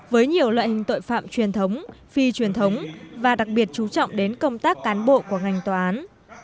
với nhiều loại hình tội phạm truyền thống phi truyền thống và đặc biệt chú trọng đến công tác cán bộ của ngành tòa án